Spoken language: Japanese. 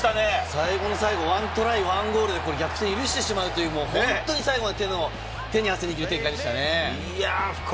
最後の最後、１トライ１ゴールで逆転を許してしまうという、最後まで手に汗握る展開でしたね。